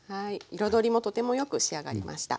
彩りもとてもよく仕上がりました。